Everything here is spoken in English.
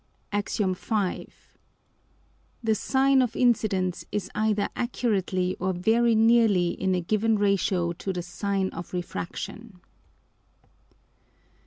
_ AX. V. _The Sine of Incidence is either accurately or very nearly in a given Ratio to the Sine of Refraction.